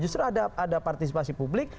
justru ada partisipasi publik